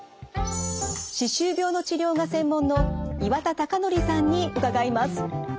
歯周病の治療が専門の岩田隆紀さんに伺います。